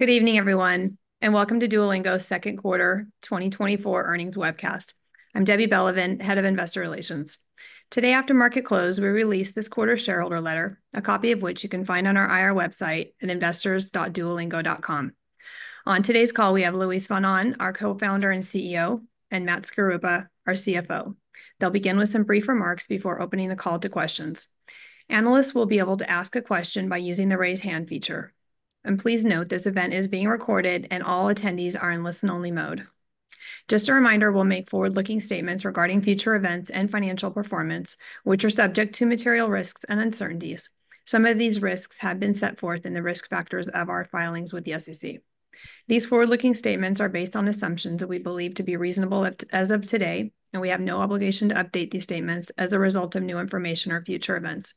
Good evening, everyone, and welcome to Duolingo's second quarter 2024 earnings webcast. I'm Debbie Belevan, Head of Investor Relations. Today, after market close, we released this quarter's shareholder letter, a copy of which you can find on our IR website at investors.duolingo.com. On today's call, we have Luis von Ahn, our Co-Founder and CEO, and Matt Skaruppa, our CFO. They'll begin with some brief remarks before opening the call to questions. Analysts will be able to ask a question by using the raise hand feature. Please note, this event is being recorded, and all attendees are in listen-only mode. Just a reminder, we'll make forward-looking statements regarding future events and financial performance, which are subject to material risks and uncertainties. Some of these risks have been set forth in the risk factors of our filings with the SEC. These forward-looking statements are based on assumptions that we believe to be reasonable as of today, and we have no obligation to update these statements as a result of new information or future events.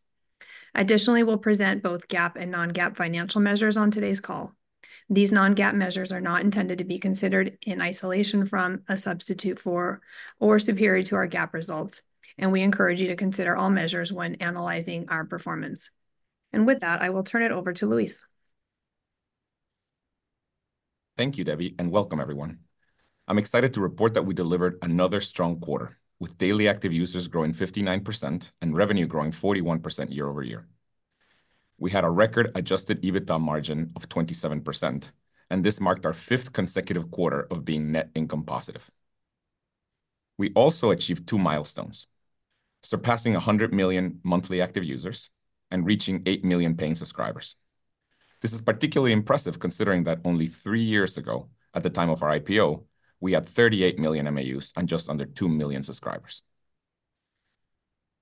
Additionally, we'll present both GAAP and non-GAAP financial measures on today's call. These non-GAAP measures are not intended to be considered in isolation from a substitute for, or superior to our GAAP results, and we encourage you to consider all measures when analyzing our performance. And with that, I will turn it over to Luis. Thank you, Debbie, and welcome, everyone. I'm excited to report that we delivered another strong quarter, with daily active users growing 59% and revenue growing 41% year over year. We had a record Adjusted EBITDA margin of 27%, and this marked our fifth consecutive quarter of being net income positive. We also achieved two milestones: surpassing 100 million monthly active users and reaching 8 million paying subscribers. This is particularly impressive considering that only three years ago, at the time of our IPO, we had 38 million MAUs and just under 2 million subscribers.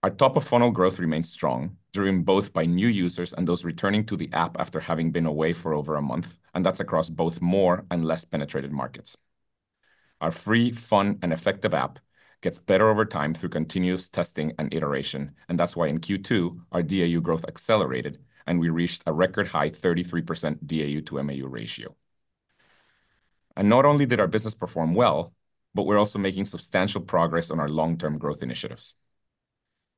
Our top-of-funnel growth remained strong, driven both by new users and those returning to the app after having been away for over a month, and that's across both more and less penetrated markets. Our free, fun, and effective app gets better over time through continuous testing and iteration, and that's why in Q2 our DAU growth accelerated, and we reached a record high 33% DAU to MAU ratio. Not only did our business perform well, but we're also making substantial progress on our long-term growth initiatives.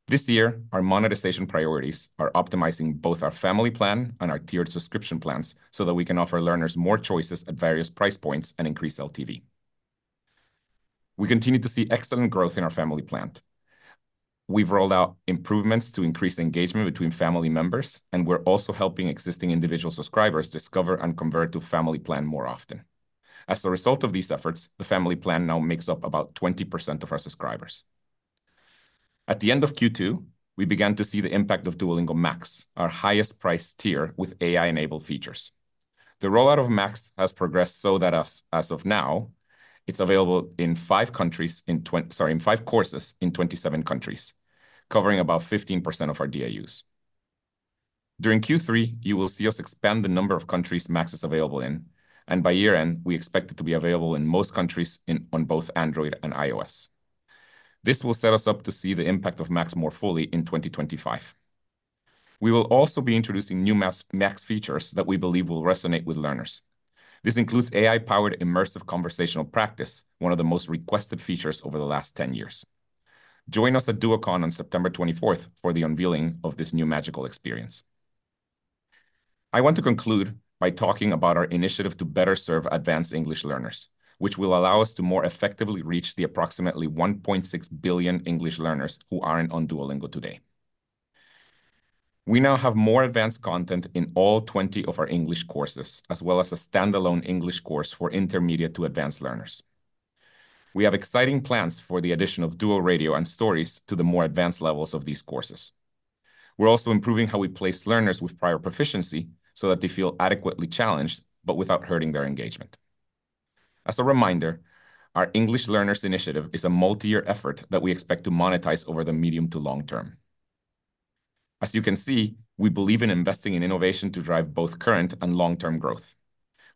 This year, our monetization priorities are optimizing both our Family Plan and our tiered subscription plans so that we can offer learners more choices at various price points and increase LTV. We continue to see excellent growth in our Family Plan. We've rolled out improvements to increase engagement between family members, and we're also helping existing individual subscribers discover and convert to Family Plan more often. As a result of these efforts, the Family Plan now makes up about 20% of our subscribers. At the end of Q2, we began to see the impact of Duolingo Max, our highest price tier with AI-enabled features. The rollout of Max has progressed so that as of now, it's available in five countries, sorry, in five courses, in 27 countries, covering about 15% of our DAUs. During Q3, you will see us expand the number of countries Max is available in, and by year-end, we expect it to be available in most countries on both Android and iOS. This will set us up to see the impact of Max more fully in 2025. We will also be introducing new Max features that we believe will resonate with learners. This includes AI-powered immersive conversational practice, one of the most requested features over the last 10 years. Join us at DuoCon on September 24 for the unveiling of this new magical experience. I want to conclude by talking about our initiative to better serve advanced English learners, which will allow us to more effectively reach the approximately 1.6 billion English learners who aren't on Duolingo today. We now have more advanced content in all 20 of our English courses, as well as a standalone English course for intermediate to advanced learners. We have exciting plans for the addition of Duo Radio and Stories to the more advanced levels of these courses. We're also improving how we place learners with prior proficiency so that they feel adequately challenged but without hurting their engagement. As a reminder, our English Learners Initiative is a multi-year effort that we expect to monetize over the medium to long term. As you can see, we believe in investing in innovation to drive both current and long-term growth.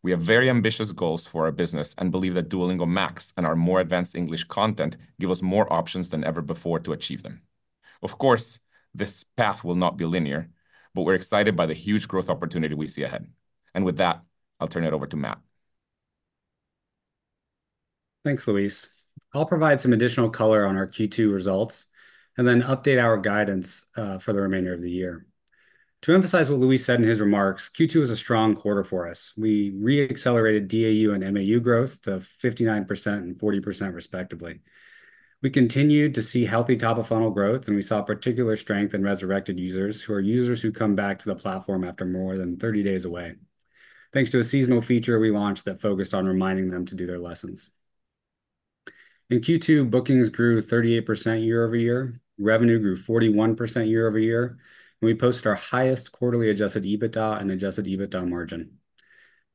We have very ambitious goals for our business and believe that Duolingo Max and our more advanced English content give us more options than ever before to achieve them. Of course, this path will not be linear, but we're excited by the huge growth opportunity we see ahead. And with that, I'll turn it over to Matt. Thanks, Luis. I'll provide some additional color on our Q2 results and then update our guidance for the remainder of the year. To emphasize what Luis said in his remarks, Q2 was a strong quarter for us. We re-accelerated DAU and MAU growth to 59% and 40%, respectively. We continued to see healthy top-of-funnel growth, and we saw particular strength in resurrected users, who are users who come back to the platform after more than 30 days away, thanks to a seasonal feature we launched that focused on reminding them to do their lessons. In Q2, bookings grew 38% year-over-year, revenue grew 41% year-over-year, and we posted our highest quarterly adjusted EBITDA and adjusted EBITDA margin.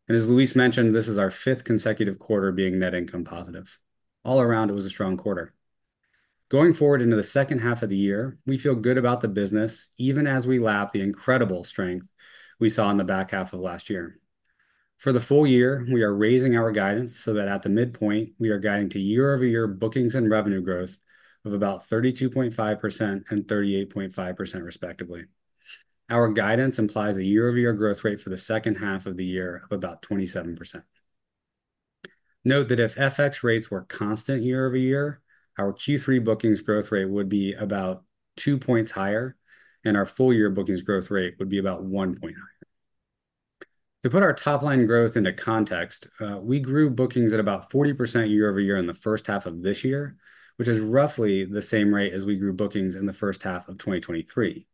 And as Luis mentioned, this is our fifth consecutive quarter being net income positive. All around, it was a strong quarter. Going forward into the second half of the year, we feel good about the business, even as we lap the incredible strength we saw in the back half of last year. For the full year, we are raising our guidance so that at the midpoint, we are guiding to year-over-year bookings and revenue growth of about 32.5% and 38.5%, respectively. Our guidance implies a year-over-year growth rate for the second half of the year of about 27%. Note that if FX rates were constant year-over-year, our Q3 bookings growth rate would be about two points higher, and our full-year bookings growth rate would be about one point higher. To put our top-line growth into context, we grew bookings at about 40% year-over-year in the first half of this year, which is roughly the same rate as we grew bookings in the first half of 2023.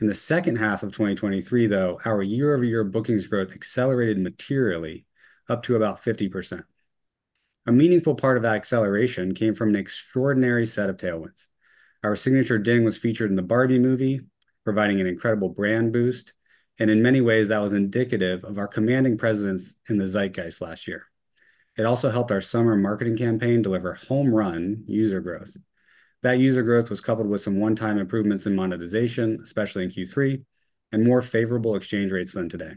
In the second half of 2023, though, our year-over-year bookings growth accelerated materially up to about 50%. A meaningful part of that acceleration came from an extraordinary set of tailwinds. Our signature ding was featured in the Barbie movie, providing an incredible brand boost, and in many ways, that was indicative of our commanding presence in the zeitgeist last year. It also helped our summer marketing campaign deliver home-run user growth. That user growth was coupled with some one-time improvements in monetization, especially in Q3, and more favorable exchange rates than today.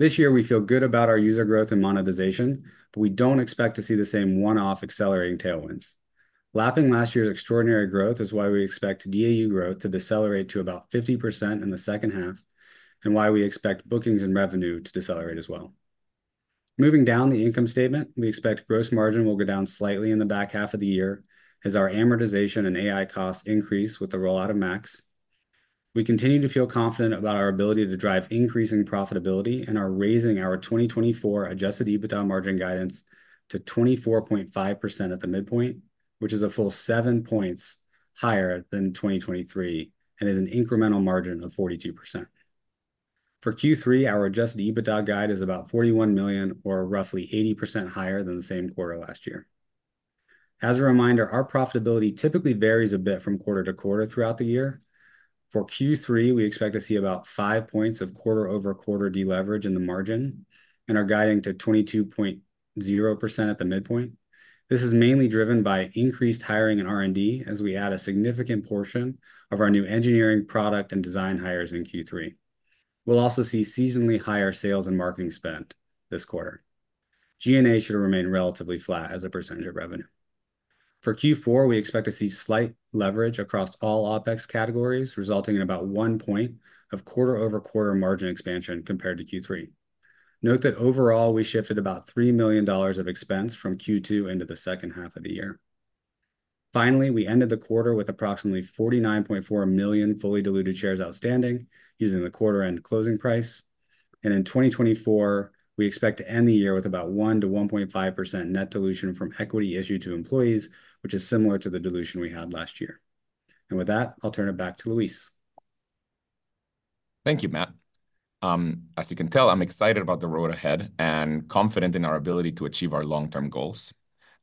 This year, we feel good about our user growth and monetization, but we don't expect to see the same one-off accelerating tailwinds. Lapping last year's extraordinary growth is why we expect DAU growth to decelerate to about 50% in the second half and why we expect bookings and revenue to decelerate as well. Moving down the income statement, we expect gross margin will go down slightly in the back half of the year as our amortization and AI costs increase with the rollout of Max. We continue to feel confident about our ability to drive increasing profitability and are raising our 2024 Adjusted EBITDA margin guidance to 24.5% at the midpoint, which is a full seven points higher than 2023 and is an incremental margin of 42%. For Q3, our Adjusted EBITDA guide is about $41 million, or roughly 80% higher than the same quarter last year. As a reminder, our profitability typically varies a bit from quarter to quarter throughout the year. For Q3, we expect to see about five points of quarter-over-quarter deleverage in the margin and are guiding to 22.0% at the midpoint. This is mainly driven by increased hiring and R&D as we add a significant portion of our new engineering, product, and design hires in Q3. We'll also see seasonally higher sales and marketing spend this quarter. G&A should remain relatively flat as a percentage of revenue. For Q4, we expect to see slight leverage across all OPEX categories, resulting in about 1 point of quarter-over-quarter margin expansion compared to Q3. Note that overall, we shifted about $3 million of expense from Q2 into the second half of the year. Finally, we ended the quarter with approximately 49.4 million fully diluted shares outstanding, using the quarter-end closing price. And in 2024, we expect to end the year with about 1%-1.5% net dilution from equity issued to employees, which is similar to the dilution we had last year. And with that, I'll turn it back to Luis. Thank you, Matt. As you can tell, I'm excited about the road ahead and confident in our ability to achieve our long-term goals.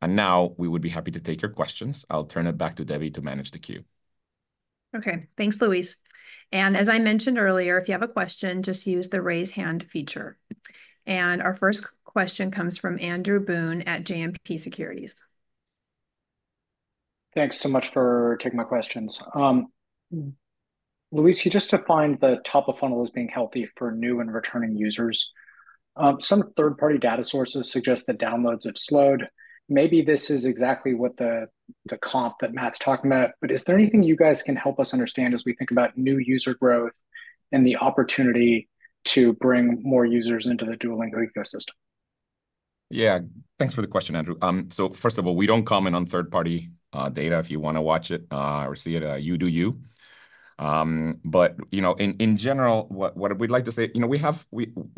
And now, we would be happy to take your questions. I'll turn it back to Debbie to manage the queue. Okay, thanks, Luis. As I mentioned earlier, if you have a question, just use the raise hand feature. Our first question comes from Andrew Boone at JMP Securities. Thanks so much for taking my questions. Luis, you just defined the top-of-funnel as being healthy for new and returning users. Some third-party data sources suggest that downloads have slowed. Maybe this is exactly what the comp that Matt's talking about, but is there anything you guys can help us understand as we think about new user growth and the opportunity to bring more users into the Duolingo ecosystem? Yeah, thanks for the question, Andrew. So first of all, we don't comment on third-party data. If you want to watch it or see it, you do you. But in general, what we'd like to say, we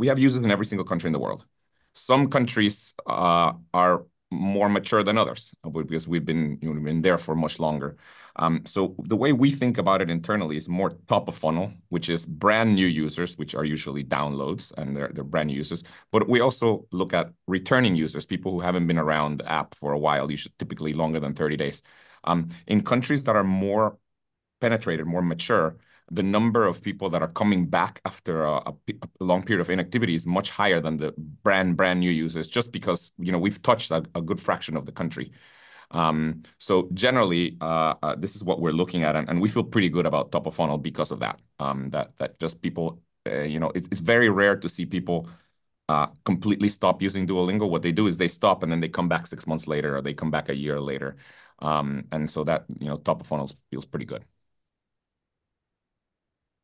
have users in every single country in the world. Some countries are more mature than others because we've been there for much longer. So the way we think about it internally is more top-of-funnel, which is brand new users, which are usually downloads, and they're brand new users. But we also look at returning users, people who haven't been around the app for a while, usually typically longer than 30 days. In countries that are more penetrated, more mature, the number of people that are coming back after a long period of inactivity is much higher than the brand new users, just because we've touched a good fraction of the country. So generally, this is what we're looking at, and we feel pretty good about top-of-funnel because of that, that just people, it's very rare to see people completely stop using Duolingo. What they do is they stop, and then they come back six months later, or they come back a year later. And so that top-of-funnel feels pretty good.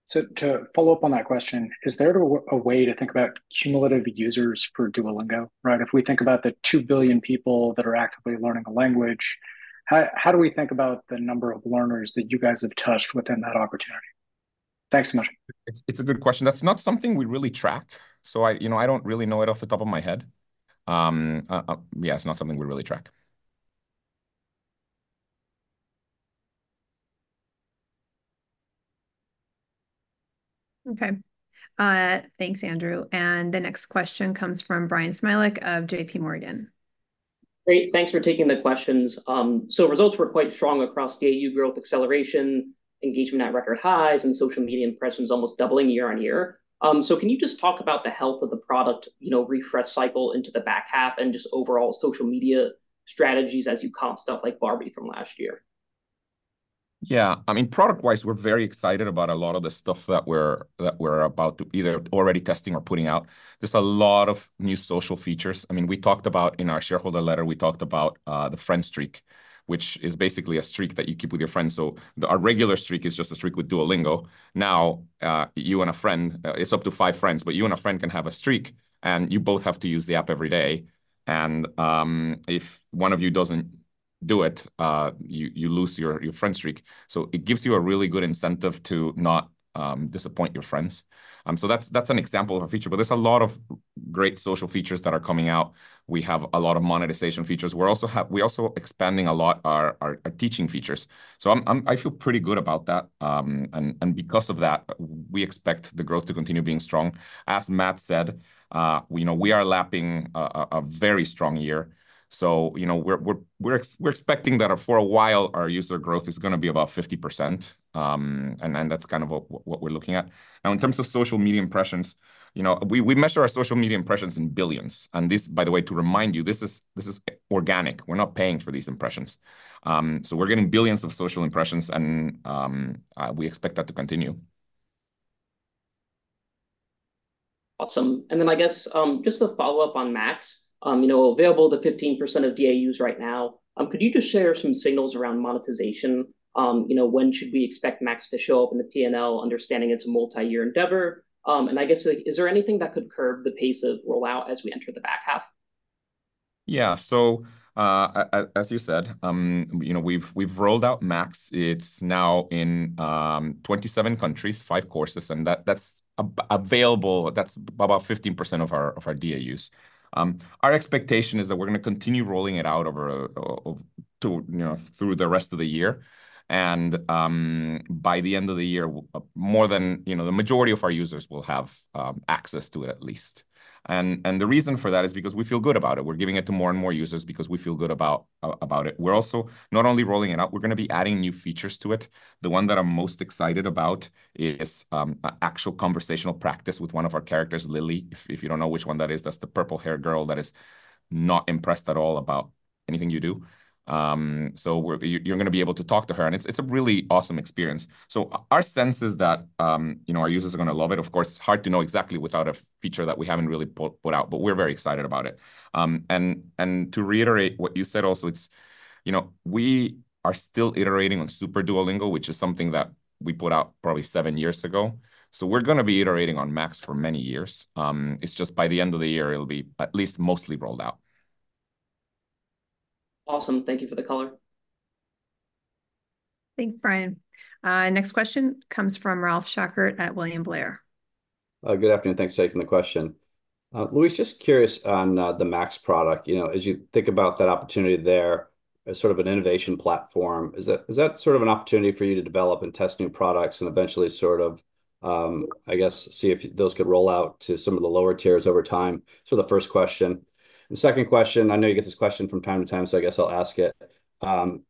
So to follow up on that question, is there a way to think about cumulative users for Duolingo? If we think about the 2 billion people that are actively learning a language, how do we think about the number of learners that you guys have touched within that opportunity? Thanks so much. It's a good question. That's not something we really track, so I don't really know it off the top of my head. Yeah, it's not something we really track. Okay, thanks, Andrew. The next question comes from Bryan Smilek of JPMorgan. Great, thanks for taking the questions. Results were quite strong across DAU growth acceleration, engagement at record highs, and social media impressions almost doubling year-over-year. Can you just talk about the health of the product refresh cycle into the back half and just overall social media strategies as you comp stuff like Barbie from last year? Yeah, I mean, product-wise, we're very excited about a lot of the stuff that we're about to either already testing or putting out. There's a lot of new social features. I mean, we talked about in our Shareholder Letter, we talked about the Friend Streak, which is basically a streak that you keep with your friends. So our regular streak is just a streak with Duolingo. Now, you and a friend, it's up to five friends, but you and a friend can have a streak, and you both have to use the app every day. And if one of you doesn't do it, you lose your Friend Streak. So it gives you a really good incentive to not disappoint your friends. So that's an example of a feature, but there's a lot of great social features that are coming out. We have a lot of monetization features. We're also expanding a lot our teaching features. So I feel pretty good about that. Because of that, we expect the growth to continue being strong. As Matt said, we are lapping a very strong year. So we're expecting that for a while, our user growth is going to be about 50%, and that's kind of what we're looking at. Now, in terms of social media impressions, we measure our social media impressions in billions. And this, by the way, to remind you, this is organic. We're not paying for these impressions. So we're getting billions of social impressions, and we expect that to continue. Awesome. And then I guess just to follow up on Max, available to 15% of DAUs right now, could you just share some signals around monetization? When should we expect Max to show up in the P&L, understanding it's a multi-year endeavor? And I guess, is there anything that could curb the pace of rollout as we enter the back half? Yeah, so as you said, we've rolled out Max. It's now in 27 countries, 5 courses, and that's available. That's about 15% of our DAUs. Our expectation is that we're going to continue rolling it out through the rest of the year. And by the end of the year, more than the majority of our users will have access to it at least. And the reason for that is because we feel good about it. We're giving it to more and more users because we feel good about it. We're also not only rolling it out, we're going to be adding new features to it. The one that I'm most excited about is actual conversational practice with one of our characters, Lily. If you don't know which one that is, that's the purple-haired girl that is not impressed at all about anything you do. So you're going to be able to talk to her, and it's a really awesome experience. So our sense is that our users are going to love it. Of course, it's hard to know exactly without a feature that we haven't really put out, but we're very excited about it. And to reiterate what you said also, we are still iterating on Super Duolingo, which is something that we put out probably seven years ago. So we're going to be iterating on Max for many years. It's just by the end of the year, it'll be at least mostly rolled out. Awesome. Thank you for the color. Thanks, Brian. Next question comes from Ralph Schackart at William Blair. Good afternoon. Thanks for taking the question. Luis, just curious on the Max product. As you think about that opportunity there as sort of an innovation platform, is that sort of an opportunity for you to develop and test new products and eventually sort of, I guess, see if those could roll out to some of the lower tiers over time? So the first question. The second question, I know you get this question from time to time, so I guess I'll ask it. But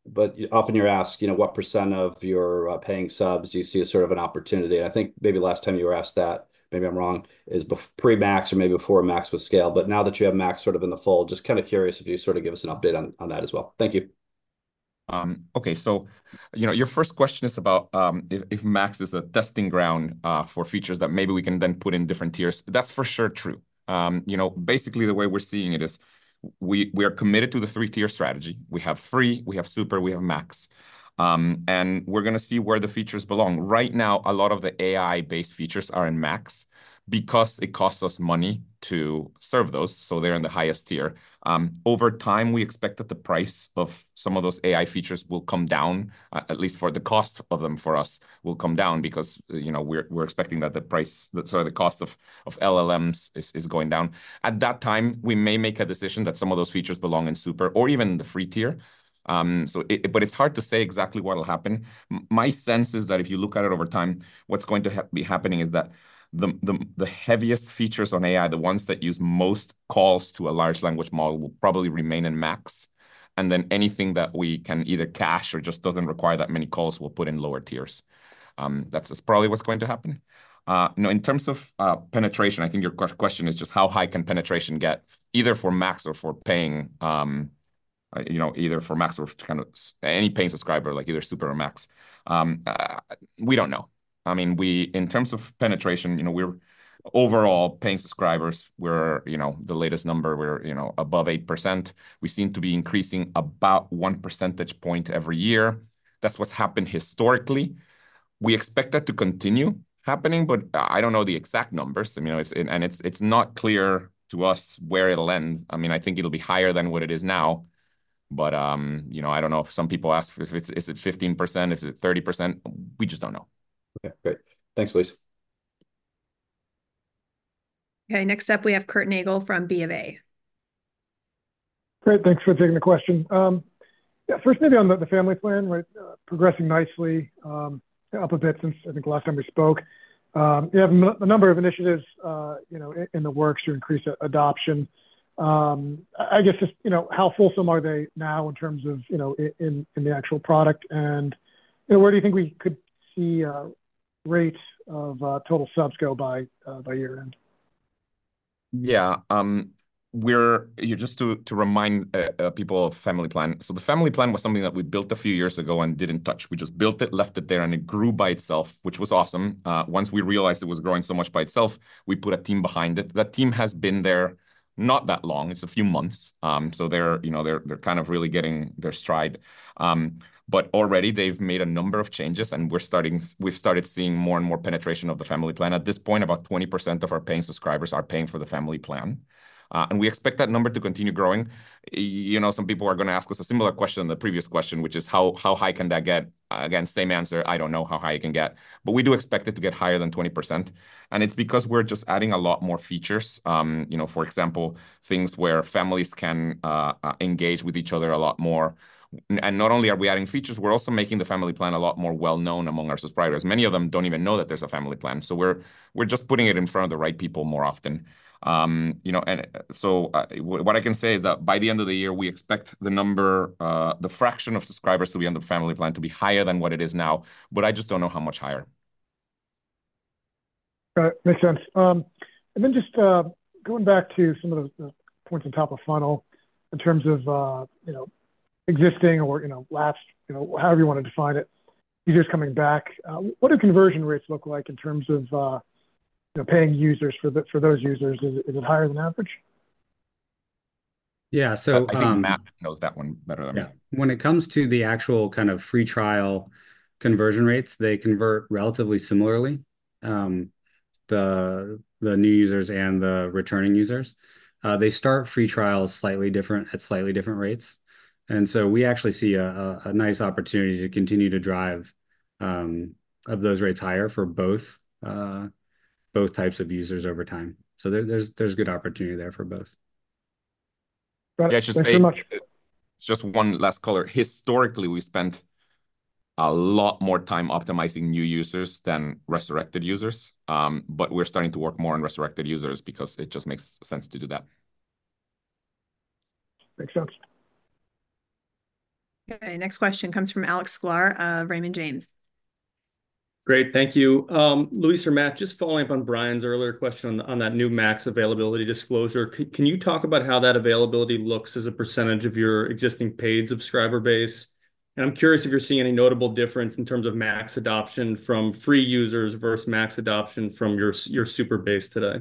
often you're asked, what % of your paying subs do you see as sort of an opportunity? I think maybe last time you were asked that, maybe I'm wrong, is pre-Max or maybe before Max was scaled. But now that you have Max sort of in the fold, just kind of curious if you sort of give us an update on that as well. Thank you. Okay, so your first question is about if Max is a testing ground for features that maybe we can then put in different tiers. That's for sure true. Basically, the way we're seeing it is we are committed to the three-tier strategy. We have Free, we have Super, we have Max. And we're going to see where the features belong. Right now, a lot of the AI-based features are in Max because it costs us money to serve those, so they're in the highest tier. Over time, we expect that the price of some of those AI features will come down, at least for the cost of them for us will come down because we're expecting that the price, the cost of LLMs is going down. At that time, we may make a decision that some of those features belong in Super or even the free tier. But it's hard to say exactly what will happen. My sense is that if you look at it over time, what's going to be happening is that the heaviest features on AI, the ones that use most calls to a large language model, will probably remain in Max. And then anything that we can either cache or just doesn't require that many calls will put in lower tiers. That's probably what's going to happen. In terms of penetration, I think your question is just how high can penetration get, either for Max or for paying, either for Max or any paying subscriber, like either Super or Max. We don't know. I mean, in terms of penetration, overall, paying subscribers, we're the latest number, we're above 8%. We seem to be increasing about one percentage point every year. That's what's happened historically. We expect that to continue happening, but I don't know the exact numbers. And it's not clear to us where it'll end. I mean, I think it'll be higher than what it is now. But I don't know if some people ask if it's 15%, if it's 30%. We just don't know. Okay, great. Thanks, Luis. Okay, next up, we have Curtis Nagle from BofA. Great, thanks for taking the question. First, maybe on the Family Plan, progressing nicely, up a bit since I think last time we spoke. You have a number of initiatives in the works to increase adoption. I guess just how fulsome are they now in terms of in the actual product? And where do you think we could see rates of total subs go by year-end? Yeah, just to remind people of Family Plan. So the Family Plan was something that we built a few years ago and didn't touch. We just built it, left it there, and it grew by itself, which was awesome. Once we realized it was growing so much by itself, we put a team behind it. That team has been there not that long. It's a few months. So they're kind of really getting their stride. But already, they've made a number of changes, and we've started seeing more and more penetration of the Family Plan. At this point, about 20% of our paying subscribers are paying for the Family Plan. And we expect that number to continue growing. Some people are going to ask us a similar question than the previous question, which is how high can that get? Again, same answer. I don't know how high it can get, but we do expect it to get higher than 20%. And it's because we're just adding a lot more features. For example, things where families can engage with each other a lot more. And not only are we adding features, we're also making the Family Plan a lot more well-known among our subscribers. Many of them don't even know that there's a Family Plan. So we're just putting it in front of the right people more often. And so what I can say is that by the end of the year, we expect the number, the fraction of subscribers to be on the Family Plan to be higher than what it is now, but I just don't know how much higher. Got it. Makes sense. And then just going back to some of the points on top-of-funnel in terms of existing or last, however you want to define it, users coming back, what do conversion rates look like in terms of paying users for those users? Is it higher than average? Yeah, so. I think Matt knows that one better than me. Yeah. When it comes to the actual kind of free trial conversion rates, they convert relatively similarly, the new users and the returning users. They start free trials slightly different at slightly different rates. And so we actually see a nice opportunity to continue to drive those rates higher for both types of users over time. So there's good opportunity there for both. Yeah, I should say. It's just one last caller. Historically, we spent a lot more time optimizing new users than resurrected users. But we're starting to work more on resurrected users because it just makes sense to do that. Makes sense. Okay, next question comes from Alex Skaggs, Raymond James. Great, thank you. Luis or Matt, just following up on Brian's earlier question on that new Max availability disclosure, can you talk about how that availability looks as a percentage of your existing paid subscriber base? And I'm curious if you're seeing any notable difference in terms of Max adoption from free users versus Max adoption from your Super base today.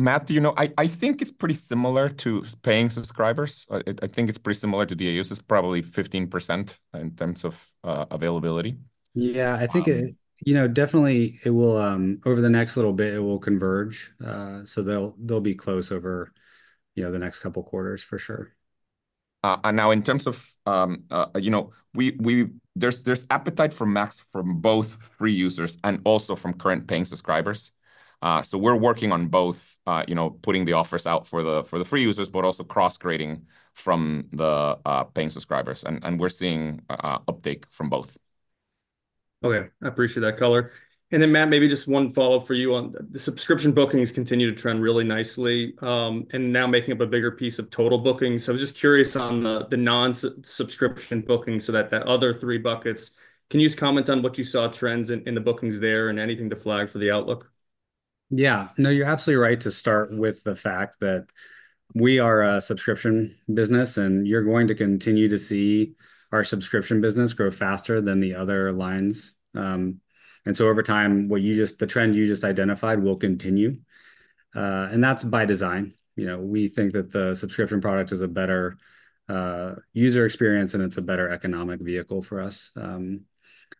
Matt, do you know? I think it's pretty similar to paying subscribers. I think it's pretty similar to DAUs. It's probably 15% in terms of availability. Yeah, I think definitely over the next little bit, it will converge. So they'll be close over the next couple of quarters for sure. And now in terms of there's appetite for Max from both free users and also from current paying subscribers. So we're working on both, putting the offers out for the free users, but also cross-grading from the paying subscribers. And we're seeing uptake from both. Okay, I appreciate that color. And then Matt, maybe just one follow-up for you on the subscription bookings continue to trend really nicely and now making up a bigger piece of total bookings. So I was just curious on the non-subscription bookings so that other three buckets. Can you just comment on what you saw trends in the bookings there and anything to flag for the outlook? Yeah, no, you're absolutely right to start with the fact that we are a subscription business, and you're going to continue to see our subscription business grow faster than the other lines. And so over time, the trend you just identified will continue. And that's by design. We think that the subscription product is a better user experience, and it's a better economic vehicle for us.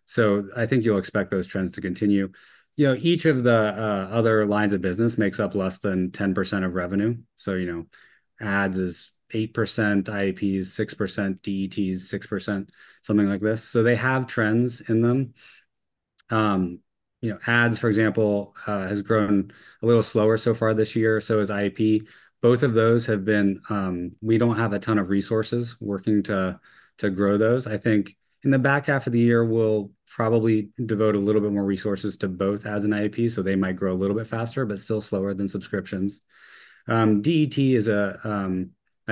So I think you'll expect those trends to continue. Each of the other lines of business makes up less than 10% of revenue. So ads is 8%, IAPs 6%, DETs 6%, something like this. So they have trends in them. Ads, for example, has grown a little slower so far this year, so has IAP. Both of those have been, we don't have a ton of resources working to grow those. I think in the back half of the year, we'll probably devote a little bit more resources to both ads and IAP, so they might grow a little bit faster, but still slower than subscriptions. DET, as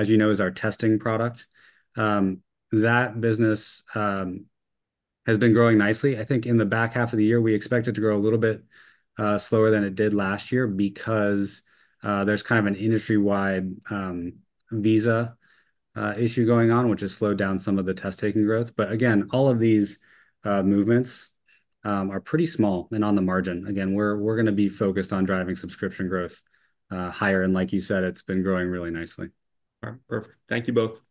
you know, is our testing product. That business has been growing nicely. I think in the back half of the year, we expected to grow a little bit slower than it did last year because there's kind of an industry-wide visa issue going on, which has slowed down some of the test-taking growth. But again, all of these movements are pretty small and on the margin. Again, we're going to be focused on driving subscription growth higher. And like you said, it's been growing really nicely. Perfect. Thank you both.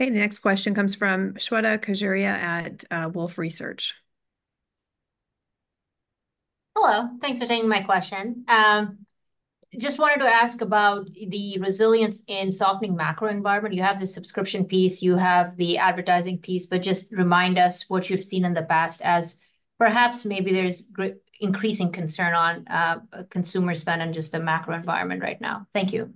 Okay, the next question comes from Shweta Khajuria at Wolfe Research. Hello. Thanks for taking my question. Just wanted to ask about the resilience in softening macro environment. You have the subscription piece. You have the advertising piece, but just remind us what you've seen in the past as perhaps maybe there's increasing concern on consumer spend and just the macro environment right now? Thank you.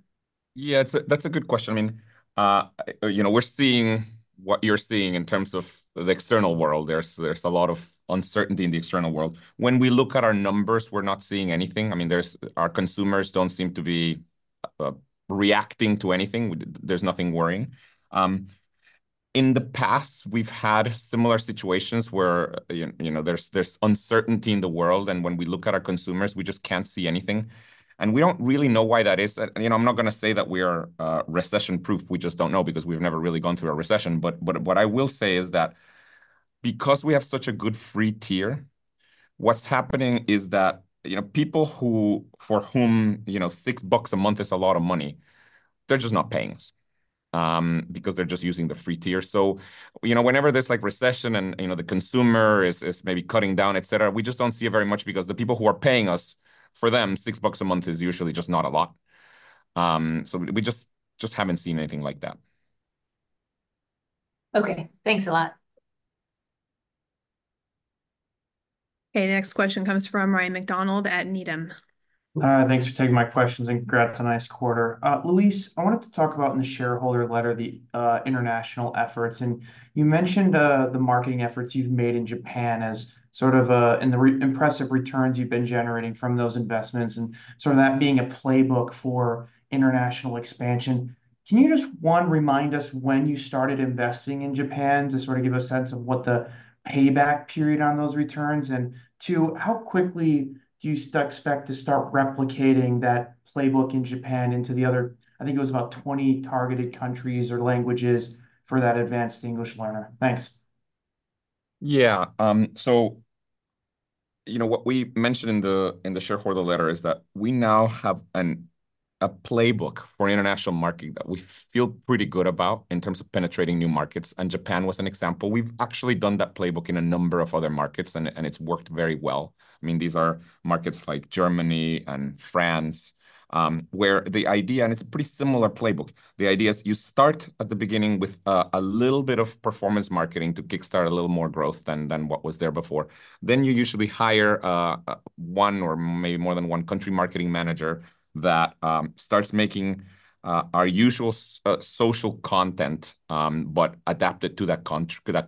Yeah, that's a good question. I mean, we're seeing what you're seeing in terms of the external world. There's a lot of uncertainty in the external world. When we look at our numbers, we're not seeing anything. I mean, our consumers don't seem to be reacting to anything. There's nothing worrying. In the past, we've had similar situations where there's uncertainty in the world. And when we look at our consumers, we just can't see anything. And we don't really know why that is. I'm not going to say that we are recession-proof. We just don't know because we've never really gone through a recession. But what I will say is that because we have such a good free tier, what's happening is that people for whom $6 a month is a lot of money, they're just not paying us because they're just using the free tier. Whenever there's recession and the consumer is maybe cutting down, etc., we just don't see it very much because the people who are paying us, for them, $6 a month is usually just not a lot. We just haven't seen anything like that. Okay, thanks a lot. Okay, next question comes from Ryan MacDonald at Needham. Thanks for taking my questions and congrats on a nice quarter. Luis, I wanted to talk about in the shareholder letter, the international efforts. You mentioned the marketing efforts you've made in Japan as sort of in the impressive returns you've been generating from those investments and sort of that being a playbook for international expansion. Can you just, one, remind us when you started investing in Japan to sort of give a sense of what the payback period on those returns? And two, how quickly do you expect to start replicating that playbook in Japan into the other, I think it was about 20 targeted countries or languages for that advanced English learner? Thanks. Yeah, so what we mentioned in the Shareholder Letter is that we now have a playbook for international marketing that we feel pretty good about in terms of penetrating new markets. And Japan was an example. We've actually done that playbook in a number of other markets, and it's worked very well. I mean, these are markets like Germany and France where the idea, and it's a pretty similar playbook. The idea is you start at the beginning with a little bit of performance marketing to kickstart a little more growth than what was there before. Then you usually hire one or maybe more than one country marketing manager that starts making our usual social content, but adapted to that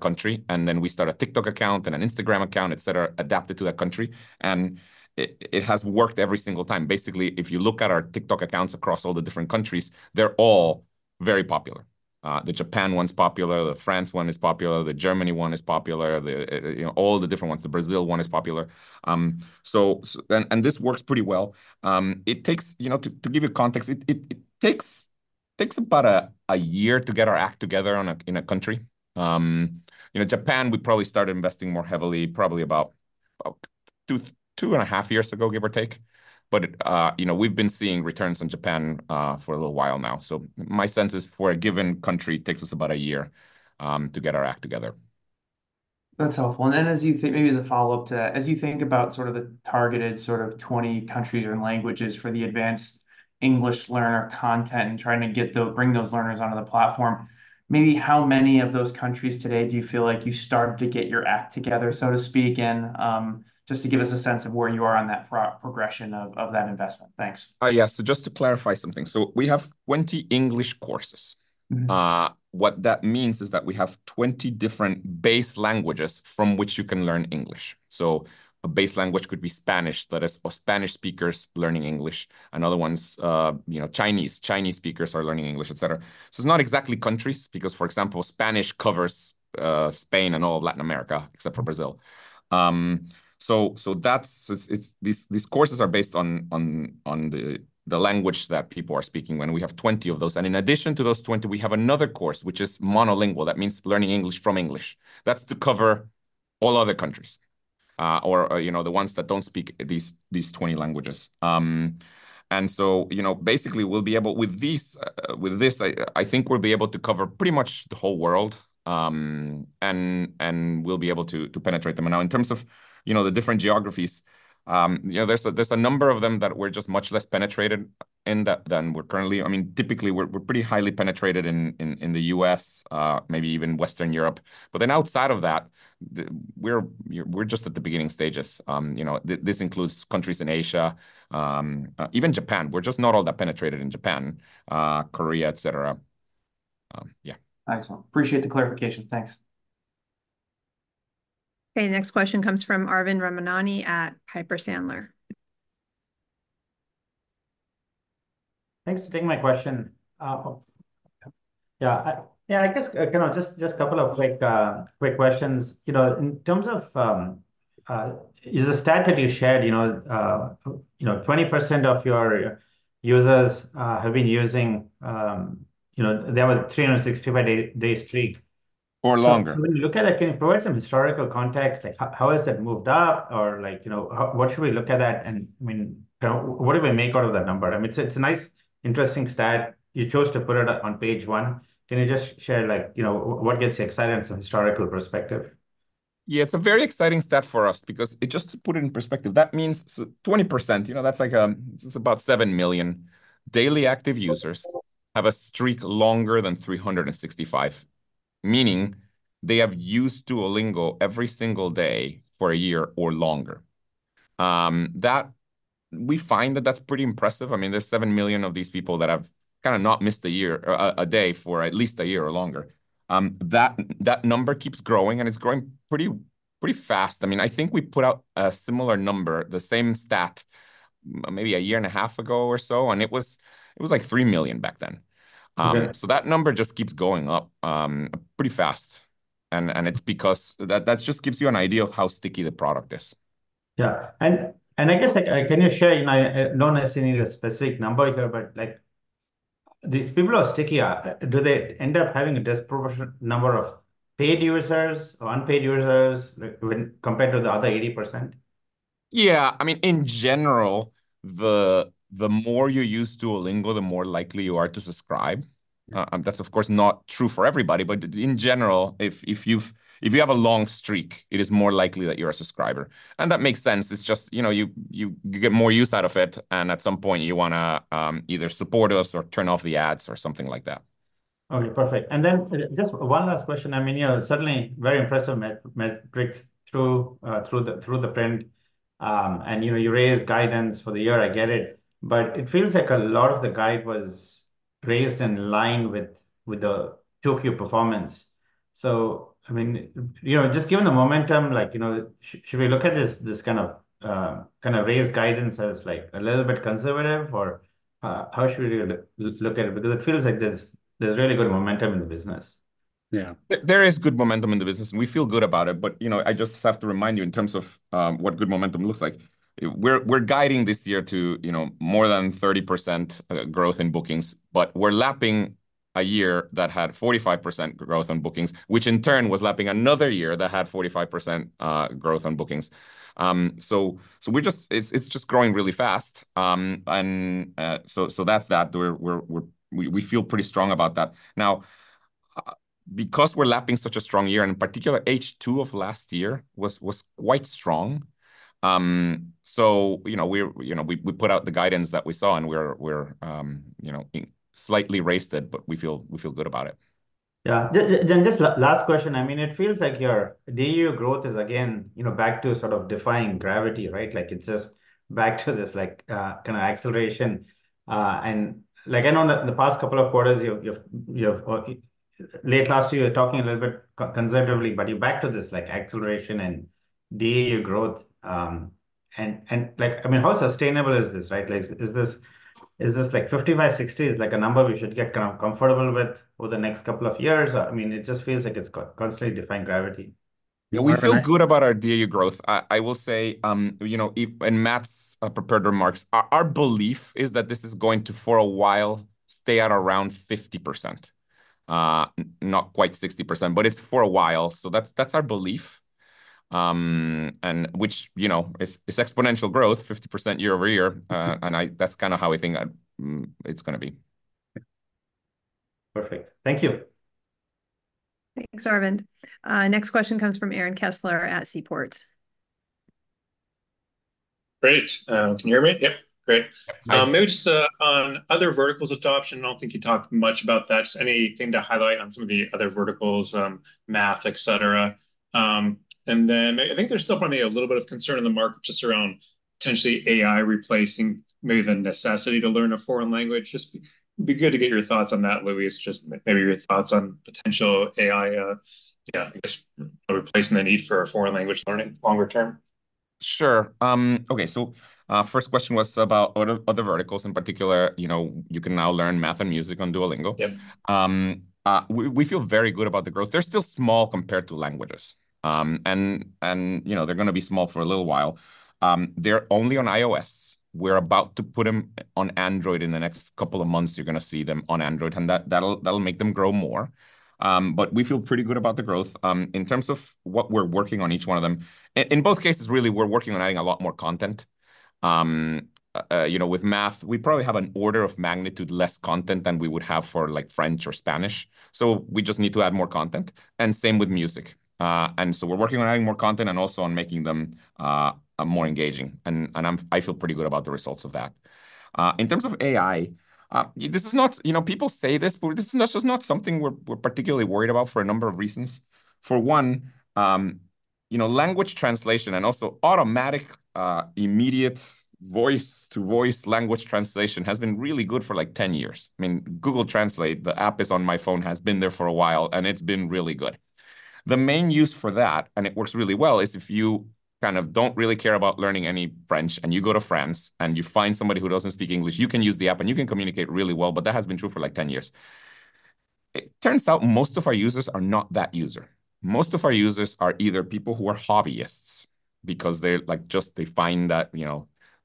country. And then we start a TikTok account and an Instagram account, etc., adapted to that country. And it has worked every single time. Basically, if you look at our TikTok accounts across all the different countries, they're all very popular. The Japan one's popular. The France one is popular. The Germany one is popular. All the different ones. The Brazil one is popular. And this works pretty well. To give you context, it takes about a year to get our act together in a country. Japan, we probably started investing more heavily probably about 2.5 years ago, give or take. But we've been seeing returns on Japan for a little while now. So my sense is for a given country, it takes us about a year to get our act together. That's helpful. And then as you think, maybe as a follow-up to that, as you think about sort of the targeted sort of 20 countries or languages for the advanced English learner content and trying to bring those learners onto the platform, maybe how many of those countries today do you feel like you started to get your act together, so to speak, and just to give us a sense of where you are on that progression of that investment? Thanks. Yeah, so just to clarify something. So we have 20 English courses. What that means is that we have 20 different base languages from which you can learn English. So a base language could be Spanish, that is, Spanish speakers learning English. Another one is Chinese. Chinese speakers are learning English, etc. So it's not exactly countries because, for example, Spanish covers Spain and all of Latin America except for Brazil. So these courses are based on the language that people are speaking when we have 20 of those. And in addition to those 20, we have another course, which is monolingual. That means learning English from English. That's to cover all other countries or the ones that don't speak these 20 languages. And so basically, with these, I think we'll be able to cover pretty much the whole world, and we'll be able to penetrate them. Now, in terms of the different geographies, there's a number of them that we're just much less penetrated in than we're currently. I mean, typically, we're pretty highly penetrated in the U.S., maybe even Western Europe. But then outside of that, we're just at the beginning stages. This includes countries in Asia, even Japan. We're just not all that penetrated in Japan, Korea, etc. Yeah. Excellent. Appreciate the clarification. Thanks. Okay, next question comes from Arvind Ramnani at Piper Sandler. Thanks for taking my question. Yeah, I guess just a couple of quick questions. In terms of, is the stat that you shared, 20% of your users have been using, they have a 365-day streak? Or longer. So when you look at that, can you provide some historical context? How has that moved up? Or what should we look at that? And I mean, what do we make out of that number? I mean, it's a nice, interesting stat. You chose to put it on page one. Can you just share what gets you excited and some historical perspective? Yeah, it's a very exciting stat for us because just to put it in perspective, that means 20%, that's like about 7 million daily active users have a streak longer than 365, meaning they have used Duolingo every single day for a year or longer. We find that that's pretty impressive. I mean, there's 7 million of these people that have kind of not missed a day for at least a year or longer. That number keeps growing, and it's growing pretty fast. I mean, I think we put out a similar number, the same stat, maybe a year and a half ago or so, and it was like 3 million back then. So that number just keeps going up pretty fast. And it's because that just gives you an idea of how sticky the product is. Yeah, and I guess, can you share, not necessarily a specific number here, but these people are stickier. Do they end up having a disproportionate number of paid users or unpaid users compared to the other 80%? Yeah, I mean, in general, the more you use Duolingo, the more likely you are to subscribe. That's, of course, not true for everybody. But in general, if you have a long streak, it is more likely that you're a subscriber. And that makes sense. It's just you get more use out of it. And at some point, you want to either support us or turn off the ads or something like that. Okay, perfect. And then just one last question. I mean, certainly very impressive metrics through the print. And you raised guidance for the year. I get it. But it feels like a lot of the guide was raised in line with the Tokyo performance. So I mean, just given the momentum, should we look at this kind of raised guidance as a little bit conservative, or how should we look at it? Because it feels like there's really good momentum in the business. Yeah, there is good momentum in the business, and we feel good about it. But I just have to remind you in terms of what good momentum looks like. We're guiding this year to more than 30% growth in bookings, but we're lapping a year that had 45% growth on bookings, which in turn was lapping another year that had 45% growth on bookings. So it's just growing really fast. And so that's that. We feel pretty strong about that. Now, because we're lapping such a strong year, and in particular, H2 of last year was quite strong. So we put out the guidance that we saw, and we're slightly raised it, but we feel good about it. Yeah, then just last question. I mean, it feels like your daily growth is, again, back to sort of defying gravity, right? It's just back to this kind of acceleration. And I know in the past couple of quarters, late last year, you were talking a little bit conservatively, but you're back to this acceleration and daily growth. And I mean, how sustainable is this, right? Is this 55-60 a number we should get kind of comfortable with over the next couple of years? I mean, it just feels like it's constantly defying gravity. Yeah, we feel good about our daily growth. I will say, and Matt's prepared remarks, our belief is that this is going to, for a while, stay at around 50%, not quite 60%, but it's for a while. So that's our belief, which is exponential growth, 50% year-over-year. That's kind of how we think it's going to be. Perfect. Thank you. Thanks, Arvin. Next question comes from Aaron Kessler at Seaport Global. Great. Can you hear me? Yep, great. Maybe just on other verticals adoption, I don't think you talked much about that. Just anything to highlight on some of the other verticals, math, etc. And then I think there's still probably a little bit of concern in the market just around potentially AI replacing maybe the necessity to learn a foreign language. Just be good to get your thoughts on that, Luis, just maybe your thoughts on potential AI, yeah, I guess, replacing the need for a foreign language learning longer term. Sure. Okay, so first question was about other verticals. In particular, you can now learn math and music on Duolingo. We feel very good about the growth. They're still small compared to languages. They're going to be small for a little while. They're only on iOS. We're about to put them on Android in the next couple of months. You're going to see them on Android. That'll make them grow more. We feel pretty good about the growth. In terms of what we're working on each one of them, in both cases, really, we're working on adding a lot more content. With math, we probably have an order of magnitude less content than we would have for French or Spanish. So we just need to add more content. Same with music. So we're working on adding more content and also on making them more engaging. I feel pretty good about the results of that. In terms of AI, this is not people say this, but this is just not something we're particularly worried about for a number of reasons. For one, language translation and also automatic, immediate voice-to-voice language translation has been really good for like 10 years. I mean, Google Translate, the app is on my phone, has been there for a while, and it's been really good. The main use for that, and it works really well, is if you kind of don't really care about learning any French, and you go to France, and you find somebody who doesn't speak English, you can use the app, and you can communicate really well. But that has been true for like 10 years. It turns out most of our users are not that user. Most of our users are either people who are hobbyists because they find that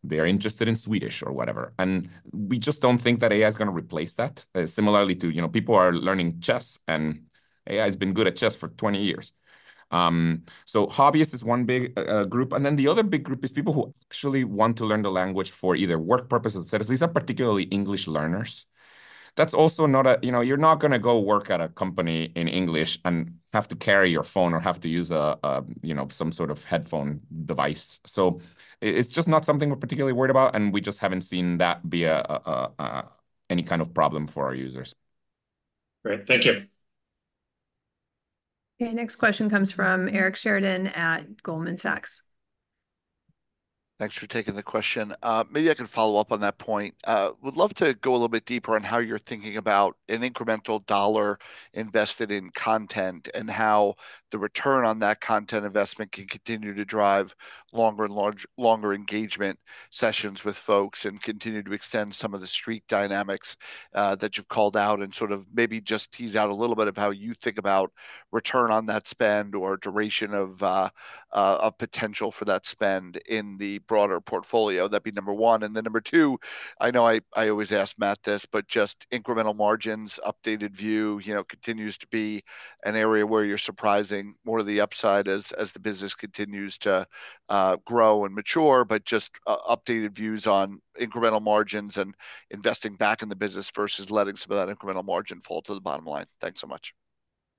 they're interested in Swedish or whatever. And we just don't think that AI is going to replace that. Similarly to people are learning chess, and AI has been good at chess for 20 years. So hobbyists is one big group. And then the other big group is people who actually want to learn the language for either work purposes, etc. These are particularly English learners. That's also not a you're not going to go work at a company in English and have to carry your phone or have to use some sort of headphone device. So it's just not something we're particularly worried about. And we just haven't seen that be any kind of problem for our users. Great. Thank you. Okay, next question comes from Eric Sheridan at Goldman Sachs. Thanks for taking the question. Maybe I could follow up on that point. Would love to go a little bit deeper on how you're thinking about an incremental dollar invested in content and how the return on that content investment can continue to drive longer and longer engagement sessions with folks and continue to extend some of the streak dynamics that you've called out and sort of maybe just tease out a little bit of how you think about return on that spend or duration of potential for that spend in the broader portfolio? That'd be number one. And then number two, I know I always ask Matt this, but just incremental margins, updated view continues to be an area where you're surprising more of the upside as the business continues to grow and mature, but just updated views on incremental margins and investing back in the business versus letting some of that incremental margin fall to the bottom line. Thanks so much.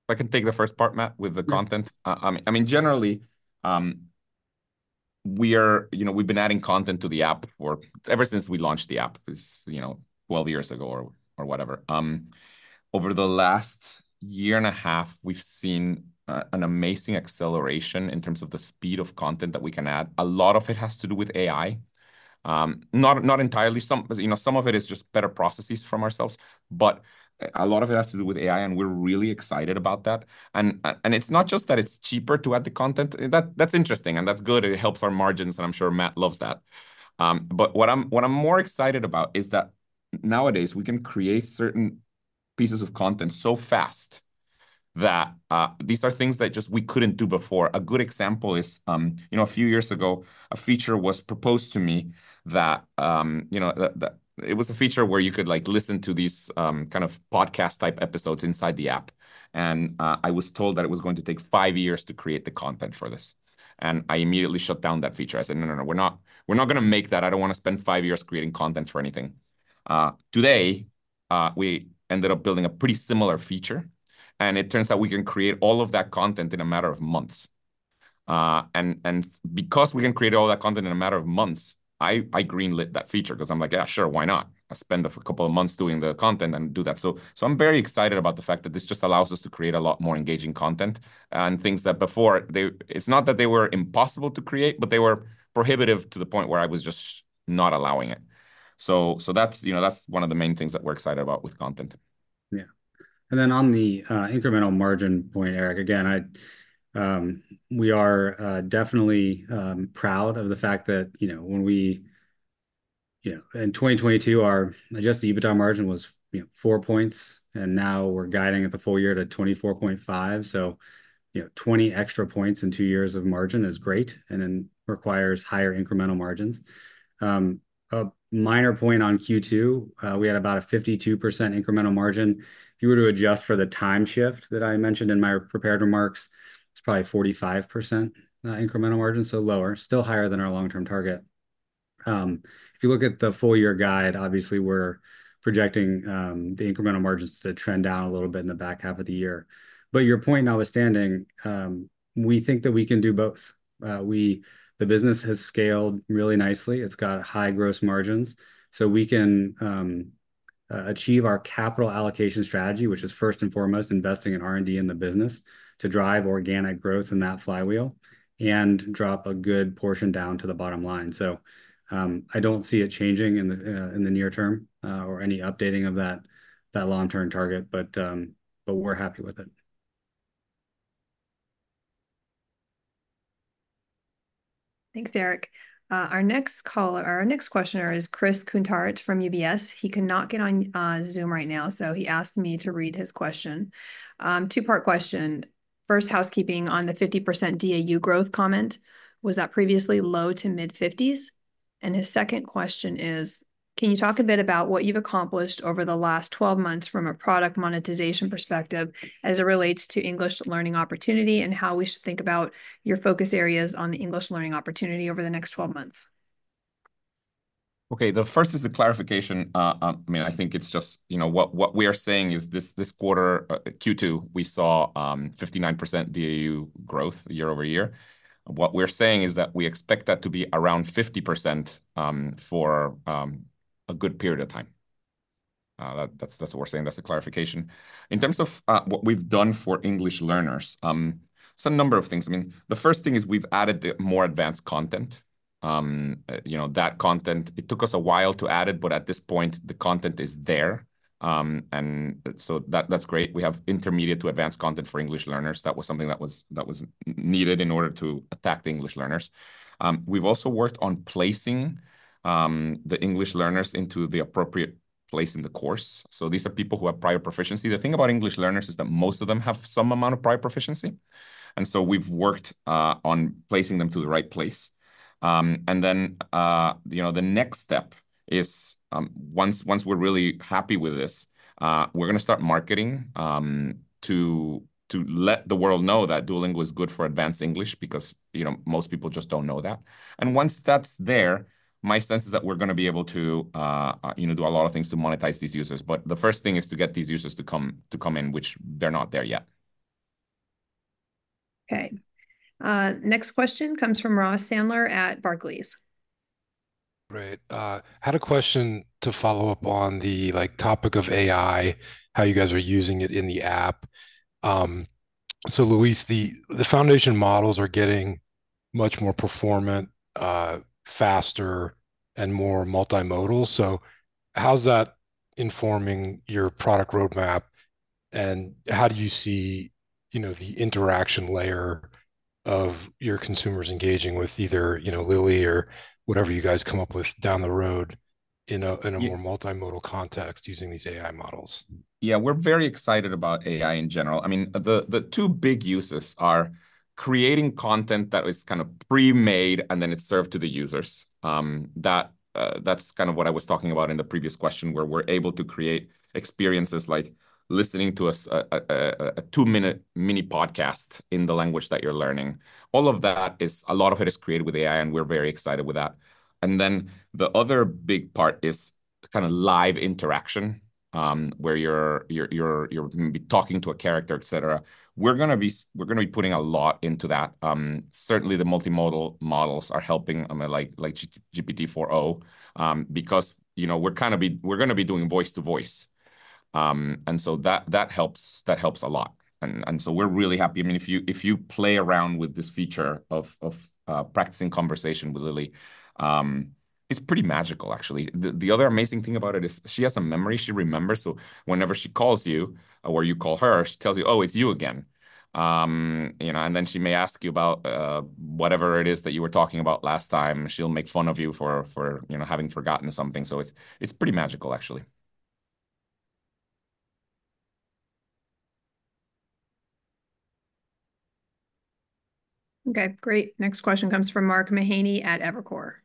I can take the first part, Matt, with the content. I mean, generally, we've been adding content to the app ever since we launched the app 12 years ago or whatever. Over the last year and a half, we've seen an amazing acceleration in terms of the speed of content that we can add. A lot of it has to do with AI. Not entirely. Some of it is just better processes from ourselves. But a lot of it has to do with AI, and we're really excited about that. And it's not just that it's cheaper to add the content. That's interesting, and that's good. It helps our margins, and I'm sure Matt loves that. But what I'm more excited about is that nowadays, we can create certain pieces of content so fast that these are things that just we couldn't do before. A good example is a few years ago, a feature was proposed to me, a feature where you could listen to these kind of podcast-type episodes inside the app. And I was told that it was going to take 5 years to create the content for this. And I immediately shut down that feature. I said, "No, no, no. We're not going to make that. I don't want to spend 5 years creating content for anything." Today, we ended up building a pretty similar feature. And it turns out we can create all of that content in a matter of months. And because we can create all that content in a matter of months, I greenlit that feature because I'm like, "Yeah, sure. Why not? I'll spend a couple of months doing the content and do that." So I'm very excited about the fact that this just allows us to create a lot more engaging content and things that, before, it's not that they were impossible to create, but they were prohibitive to the point where I was just not allowing it. So that's one of the main things that we're excited about with content. Yeah. And then on the incremental margin point, Eric, again, we are definitely proud of the fact that when we in 2022, our just the EBITDA margin was 4 points. And now we're guiding at the full year to 24.5. So 20 extra points in two years of margin is great and then requires higher incremental margins. A minor point on Q2, we had about a 52% incremental margin. If you were to adjust for the time shift that I mentioned in my prepared remarks, it's probably 45% incremental margin, so lower, still higher than our long-term target. If you look at the full year guide, obviously, we're projecting the incremental margins to trend down a little bit in the back half of the year. But your point, notwithstanding, we think that we can do both. The business has scaled really nicely. It's got high gross margins. We can achieve our capital allocation strategy, which is first and foremost investing in R&D in the business to drive organic growth in that flywheel and drop a good portion down to the bottom line. I don't see it changing in the near-term or any updating of that long-term target, but we're happy with it. Thanks, Eric. Our next questioner is Chris Kuntarich from UBS. He cannot get on Zoom right now, so he asked me to read his question. Two-part question. First, housekeeping on the 50% DAU growth comment. Was that previously low- to mid-50s%? And his second question is, can you talk a bit about what you've accomplished over the last 12 months from a product monetization perspective as it relates to English learning opportunity and how we should think about your focus areas on the English learning opportunity over the next 12 months? Okay, the first is a clarification. I mean, I think it's just what we are saying is this quarter, Q2, we saw 59% DAU growth year-over-year. What we're saying is that we expect that to be around 50% for a good period of time. That's what we're saying. That's a clarification. In terms of what we've done for English learners, some number of things. I mean, the first thing is we've added more advanced content. That content, it took us a while to add it, but at this point, the content is there. And so that's great. We have intermediate to advanced content for English learners. That was something that was needed in order to attack the English learners. We've also worked on placing the English learners into the appropriate place in the course. So these are people who have prior proficiency. The thing about English learners is that most of them have some amount of prior proficiency. And then the next step is once we're really happy with this, we're going to start marketing to let the world know that Duolingo is good for advanced English because most people just don't know that. And once that's there, my sense is that we're going to be able to do a lot of things to monetize these users. But the first thing is to get these users to come in, which they're not there yet. Okay. Next question comes from Ross Sandler at Barclays. Great. Had a question to follow up on the topic of AI, how you guys are using it in the app. So Luis, the foundation models are getting much more performant, faster, and more multimodal. So how's that informing your product roadmap? And how do you see the interaction layer of your consumers engaging with either Lily or whatever you guys come up with down the road in a more multimodal context using these AI models? Yeah, we're very excited about AI in general. I mean, the two big uses are creating content that is kind of pre-made and then it's served to the users. That's kind of what I was talking about in the previous question where we're able to create experiences like listening to a two-minute mini podcast in the language that you're learning. All of that is a lot of it is created with AI, and we're very excited with that. And then the other big part is kind of live interaction where you're going to be talking to a character, etc. We're going to be putting a lot into that. Certainly, the multimodal models are helping like GPT-4o because we're kind of going to be doing voice-to-voice. And so that helps a lot. And so we're really happy. I mean, if you play around with this feature of practicing conversation with Lily, it's pretty magical, actually. The other amazing thing about it is she has a memory. She remembers. So whenever she calls you or you call her, she tells you, "Oh, it's you again." And then she may ask you about whatever it is that you were talking about last time. She'll make fun of you for having forgotten something. So it's pretty magical, actually. Okay, great. Next question comes from Mark Mahaney at Evercore.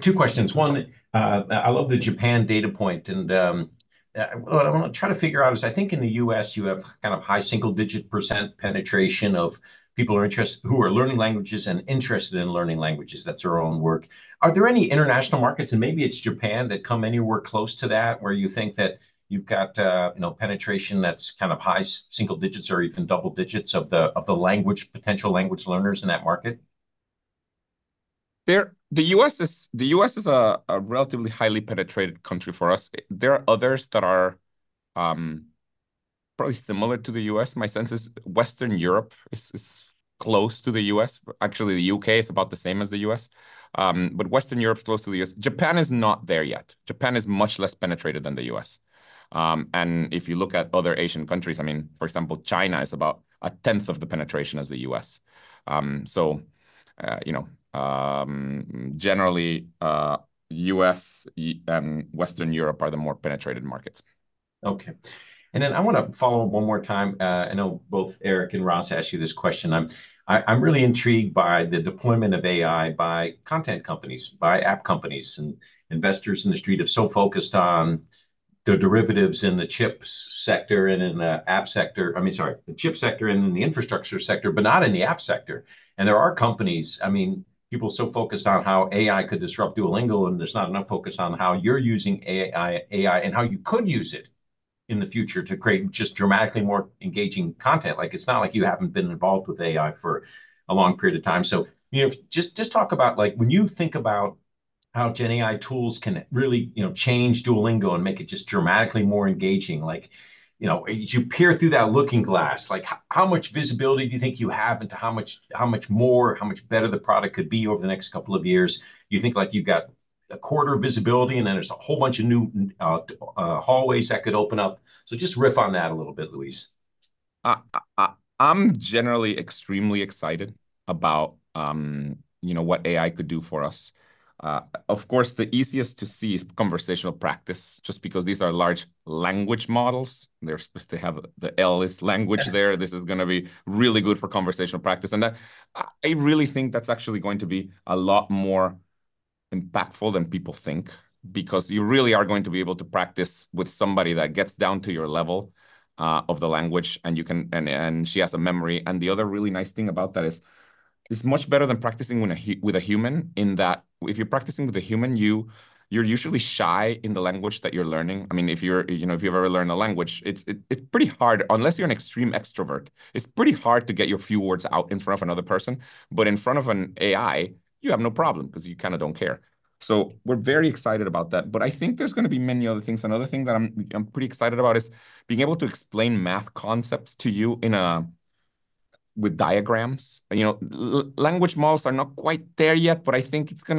Two questions. One, I love the Japan data point. And what I want to try to figure out is I think in the US, you have kind of high single-digit % penetration of people who are learning languages and interested in learning languages. That's our own work. Are there any international markets? And maybe it's Japan that come anywhere close to that where you think that you've got penetration that's kind of high single digits or even double digits of the potential language learners in that market? The U.S. is a relatively highly penetrated country for us. There are others that are probably similar to the U.S. My sense is Western Europe is close to the U.S. Actually, the U.K. is about the same as the U.S. But Western Europe is close to the U.S. Japan is not there yet. Japan is much less penetrated than the U.S. And if you look at other Asian countries, I mean, for example, China is about a tenth of the penetration as the U.S. So generally, U.S. and Western Europe are the more penetrated markets. Okay. And then I want to follow up one more time. I know both Eric and Ross asked you this question. I'm really intrigued by the deployment of AI by content companies, by app companies. And investors in the street are so focused on the derivatives in the chip sector and in the app sector. I mean, sorry, the chip sector and in the infrastructure sector, but not in the app sector. And there are companies. I mean, people are so focused on how AI could disrupt Duolingo, and there's not enough focus on how you're using AI and how you could use it in the future to create just dramatically more engaging content. It's not like you haven't been involved with AI for a long period of time. So just talk about when you think about how GenAI tools can really change Duolingo and make it just dramatically more engaging. As you peer through that looking glass, how much visibility do you think you have into how much more, how much better the product could be over the next couple of years? You think you've got a quarter of visibility, and then there's a whole bunch of new hallways that could open up. So just riff on that a little bit, Luis. I'm generally extremely excited about what AI could do for us. Of course, the easiest to see is conversational practice just because these are large language models. They're supposed to have the L is language there. This is going to be really good for conversational practice. I really think that's actually going to be a lot more impactful than people think because you really are going to be able to practice with somebody that gets down to your level of the language, and she has a memory. The other really nice thing about that is it's much better than practicing with a human in that if you're practicing with a human, you're usually shy in the language that you're learning. I mean, if you've ever learned a language, it's pretty hard unless you're an extreme extrovert. It's pretty hard to get your few words out in front of another person. But in front of an AI, you have no problem because you kind of don't care. So we're very excited about that. But I think there's going to be many other things. Another thing that I'm pretty excited about is being able to explain math concepts to you with diagrams. Language models are not quite there yet, but I think it's going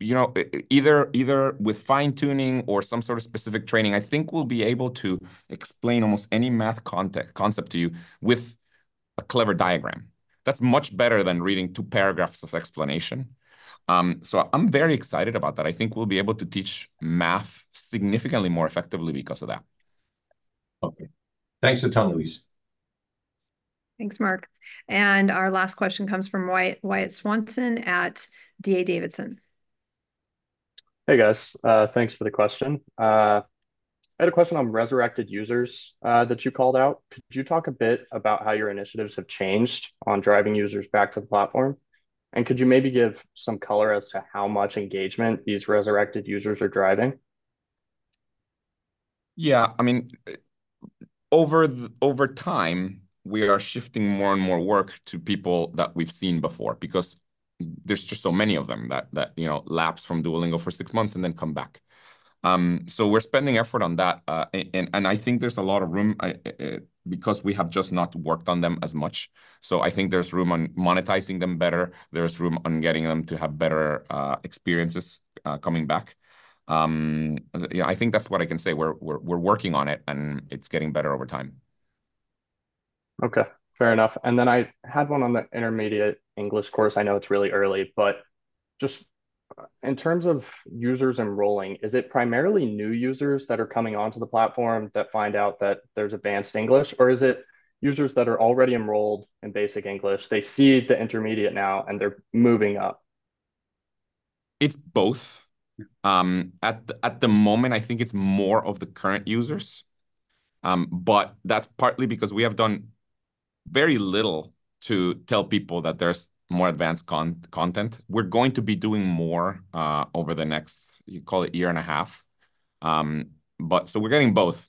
to either with fine-tuning or some sort of specific training. I think we'll be able to explain almost any math concept to you with a clever diagram. That's much better than reading two paragraphs of explanation. So I'm very excited about that. I think we'll be able to teach math significantly more effectively because of that. Okay. Thanks a ton, Luis. Thanks, Mark. Our last question comes from Wyatt Swanson at DA Davidson. Hey, guys. Thanks for the question. I had a question on resurrected users that you called out. Could you talk a bit about how your initiatives have changed on driving users back to the platform? And could you maybe give some color as to how much engagement these resurrected users are driving? Yeah. I mean, over time, we are shifting more and more work to people that we've seen before because there's just so many of them that lapse from Duolingo for six months and then come back. So we're spending effort on that. And I think there's a lot of room because we have just not worked on them as much. So I think there's room on monetizing them better. There's room on getting them to have better experiences coming back. I think that's what I can say. We're working on it, and it's getting better over time. Okay. Fair enough. And then I had one on the intermediate English course. I know it's really early, but just in terms of users enrolling, is it primarily new users that are coming onto the platform that find out that there's advanced English, or is it users that are already enrolled in basic English? They see the intermediate now, and they're moving up. It's both. At the moment, I think it's more of the current users. But that's partly because we have done very little to tell people that there's more advanced content. We're going to be doing more over the next, you call it, year and a half. So we're getting both,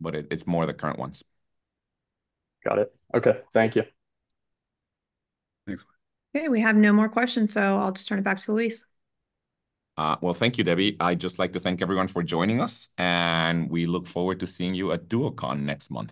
but it's more the current ones. Got it. Okay. Thank you. Okay. We have no more questions, so I'll just turn it back to Luis. Well, thank you, Debbie. I'd just like to thank everyone for joining us, and we look forward to seeing you at DuoCon next month.